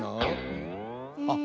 あっ。